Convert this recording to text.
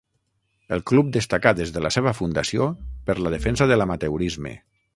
El club destacà des de la seva fundació per la defensa de l'amateurisme.